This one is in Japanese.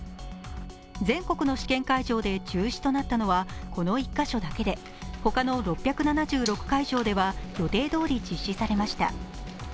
全国の試験会場で中止となったのはこの１カ所だけで、他の６７６会場では予定どおり実施されました。